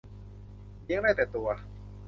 เลี้ยงได้แต่ตัว